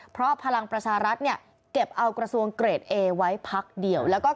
เพราะพลังประชารัฐเนี่ยเก็บเอากระทรวงเกรดเอไว้พักเดียว